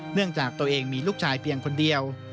เนื่องจากตัวเองมีลูกชายเพียงคนเดียว